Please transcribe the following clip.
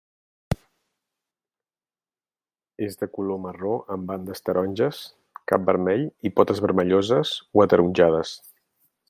És de color marró amb bandes taronges, cap vermell i potes vermelloses o ataronjades.